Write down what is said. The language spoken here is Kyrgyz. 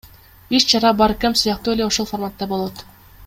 Иш чара Баркэмп сыяктуу эле ошол фарматта болот.